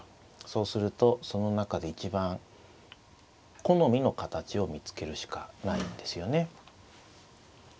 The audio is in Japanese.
そうするとその中で一番好みの形を見つけるしかないんですよね。